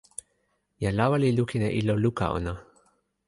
jan lawa li lukin e ilo luka ona.